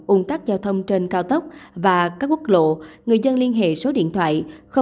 ung tắt giao thông trên cao tốc và các quốc lộ người dân liên hệ số điện thoại